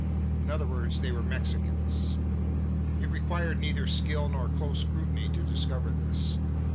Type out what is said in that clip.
In other words they were Mexicans. It required neither skill nor close scrutiny to discover this.